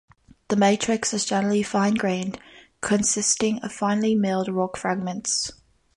The matrix is generally fine-grained, consisting of finely milled rock fragments.